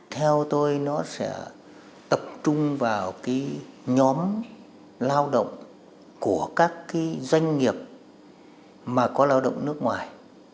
theo tôi nó sẽ tập trung vào cái nhóm lao động của các cái doanh nghiệp mà có lao động nước ngoài